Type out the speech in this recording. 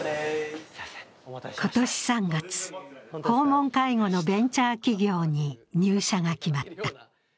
今年３月、訪問介護のベンチャー企業に入社が決まった。